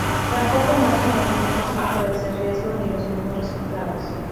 Tampoco muestran los mismos factores de riesgo ni los mismos resultados.